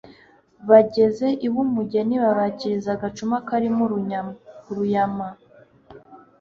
bageze iw'umugeni babakiriza agacuma karimo uruyama